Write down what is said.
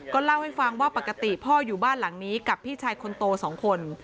เล่าให้ฟังว่าปกติพ่ออยู่บ้านหลังนี้กับพี่ชายคนโต๒คน